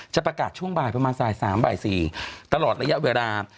จะประกาศช่วงบ่ายประมาณสาย๓บ่าย๔ตลอดระยะเวลา